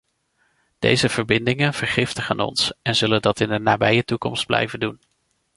Deze verbindingen vergiftigen ons en zullen dat in de nabije toekomst blijven doen.